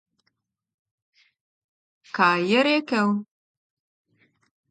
Kaj je rekel?